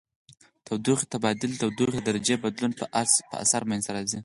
د تودوخې تبادل د تودوخې د درجې بدلون په اثر منځ ته راځي.